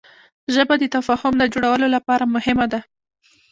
ژبه د تفاهم د جوړولو لپاره مهمه ده